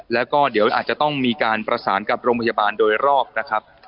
แล้วก็เดี๋ยวอาจจะต้องมีการประสานกับโรงพยาบาลโดยรอบนะครับ